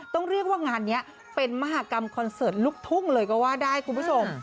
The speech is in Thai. ต้องเรียกว่างานนี้เป็นมหากรรมคอนเสิร์ตลูกทุ่งเลยก็ว่าได้คุณผู้ชม